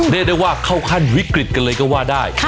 เรียกได้ว่าเข้าขั้นวิกฤตกันเลยก็ว่าได้